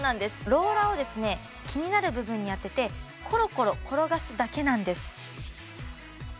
ローラーを気になる部分に当ててコロコロ転がすだけなんです